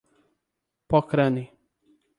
Pocrane